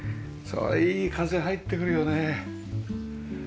いい風入ってくるよね。